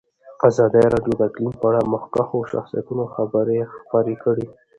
ازادي راډیو د اقلیم په اړه د مخکښو شخصیتونو خبرې خپرې کړي.